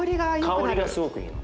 香りがすごくいいの。